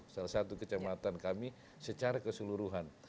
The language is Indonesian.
salah satu kecamatan kami secara keseluruhan